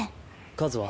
数は？